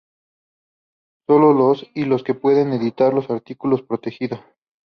Solo los y los pueden editar los artículos protegidos.